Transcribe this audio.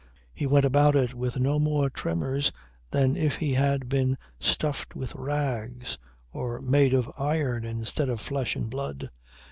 He went about it with no more tremors than if he had been stuffed with rags or made of iron instead of flesh and blood.